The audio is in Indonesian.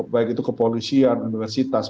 baik itu kepolisian universitas